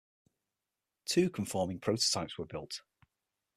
Two conforming prototypes were built.